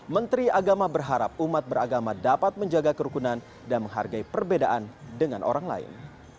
menteri agama berharap umat beragama dapat menjaga kerukunan dan menghargai perbedaan dengan orang lain